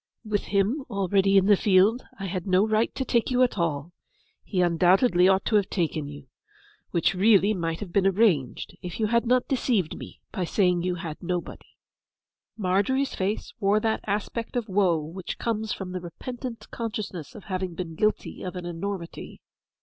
With him already in the field I had no right to take you at all; he undoubtedly ought to have taken you; which really might have been arranged, if you had not deceived me by saying you had nobody.' Margery's face wore that aspect of woe which comes from the repentant consciousness of having been guilty of an enormity.